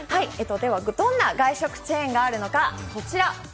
どんな外食チェーンがあるのか、こちら。